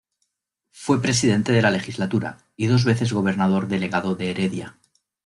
Fue presidente de la legislatura, y dos veces gobernador delegado de Heredia.